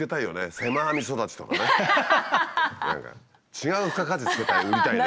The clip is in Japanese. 違う付加価値付けて売りたいね。